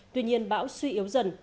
tuy nhiên bão suy yếu dần